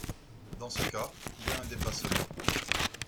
Dans ce cas, il y a un dépassement.